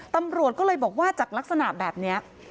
ตำรวจก็เลยบอกว่าจากลักษณะแบบนี้